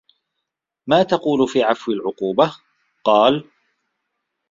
مَا تَقُولُ فِي الْعَفْوِ وَالْعُقُوبَةِ ؟ قَالَ